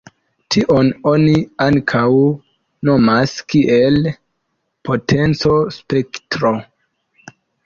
Tion oni ankaŭ nomas kiel potenco-spektro.